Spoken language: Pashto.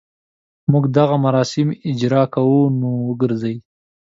موږ دغه مراسم اجراء کوو نو وګرځي.